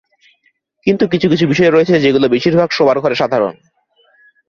কিন্তু, কিছু কিছু বিষয় রয়েছে, যেগুলো বেশির ভাগ শোবার ঘরে সাধারণ।